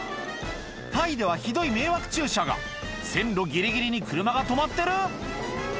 タイではひどい迷惑駐車が線路ギリギリに車が止まってる！